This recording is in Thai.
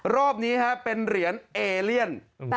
รอบนี้เป็นเหรียญเอเลียน